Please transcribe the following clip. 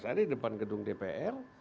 ada di depan gedung dpr